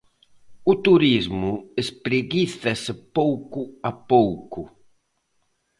O turismo espreguízase pouco a pouco.